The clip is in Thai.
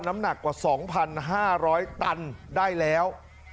น้ำหนักกว่า๒๕๐๐ตันได้แล้ว